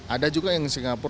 ada juga yang singapura